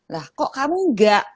lah kok kamu nggak